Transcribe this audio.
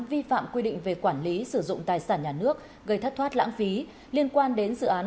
vi phạm quy định về quản lý sử dụng tài sản nhà nước gây thất thoát lãng phí liên quan đến dự án